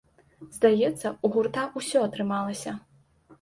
Здаецца, у гурта ўсё атрымалася!